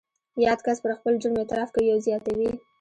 یاد کس پر خپل جرم اعتراف کوي او زیاتوي